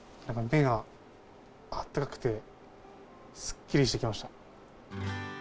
目があったかくてすっきりしてきました。